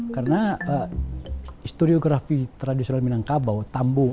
karena historiografi tradisional minangkabau tambuh